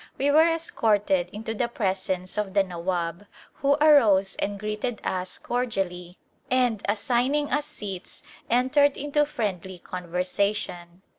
We were escorted into the presence of the Nawab, who arose and greeted us cordially and assigning us seats entered into friendly conversation.